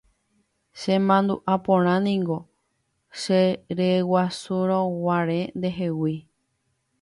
Chemandu'aporãniko cheryeguasurõguare ndehegui.